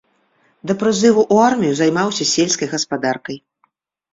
Да прызыву ў армію займаўся сельскай гаспадаркай.